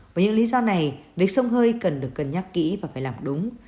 với những lý do này lịch sông hơi cần được cân nhắc kỹ và phải làm đúng